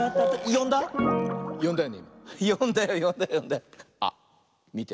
よんだよよんだよよんだよ。あっみて。